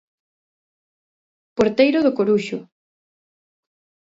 Porteiro do Coruxo.